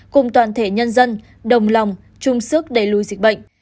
cùng toàn thể nhân dân đồng lòng chung sức đẩy lùi dịch bệnh